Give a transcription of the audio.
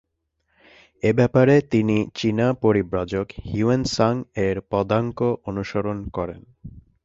এ ব্যাপারে তিনি চিনা পরিব্রাজক হিউয়েন সাং-এর পদাঙ্ক অনুসরণ করেন।